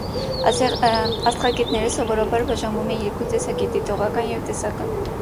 Աստղագետները սովորաբար բաժանվում են երկու տեսակի՝ դիտողական և տեսական։